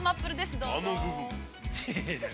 どうぞ。